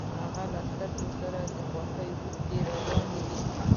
د هغه له سترګو د خوښۍ اوښکې روانې وې